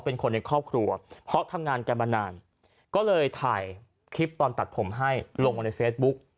เป็นคนในครอบครัวเพราะทำงานกันมานานก็เลยถ่ายคลิปตอนตัดผมให้ลงมาในเฟซบุ๊ก